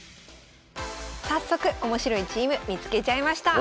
早速面白いチーム見つけちゃいました。